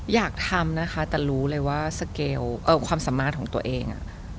อยากทำนะคะแต่รู้เลยว่าสเกลความสามารถของตัวเอง